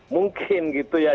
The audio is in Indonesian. mungkin gitu ya